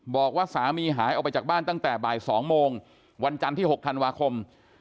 บอกว่าสามีหายออกไปจากบ้านตั้งแต่บ่าย๒โมงวันจันทร์ที่๖ธันวาคม